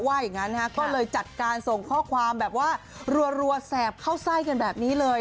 อย่างนั้นก็เลยจัดการส่งข้อความแบบว่ารัวแสบเข้าไส้กันแบบนี้เลย